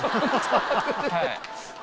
はい。